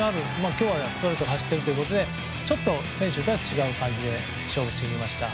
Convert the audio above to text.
今日はストレートが走っているということでちょっと先週とは違う感じで勝負してきました。